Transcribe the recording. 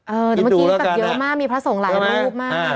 เออแต่เมื่อกี้เยอะมากมีพระส่งหลายรูปมากนะฮะ